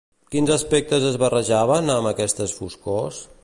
Quins aspectes es barrejaven amb aquestes foscors?